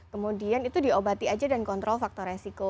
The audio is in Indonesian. kemudian itu diobati aja dan kontrol faktor resiko